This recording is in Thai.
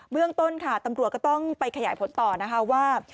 เรื่องต้นค่ะตำรวจก็ต้องไปขยายผลต่อนะคะว่า